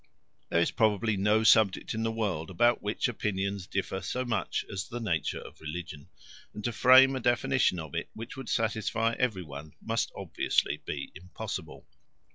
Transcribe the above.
There is probably no subject in the world about which opinions differ so much as the nature of religion, and to frame a definition of it which would satisfy every one must obviously be impossible.